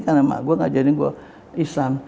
karena emak gue enggak jadi gue islam